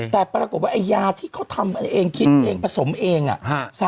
แต่ปรากฏว่าไอ้ยาที่เขาทำเองคิดเองผสมเอง